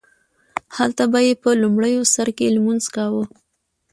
هلته به یې په لومړي سرکې لمونځ کاوو.